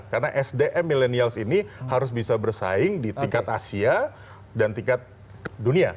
karena sdm millennials ini harus bisa bersaing di tingkat asia dan tingkat dunia